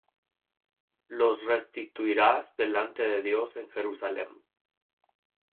los restituirás delante de Dios en Jerusalem.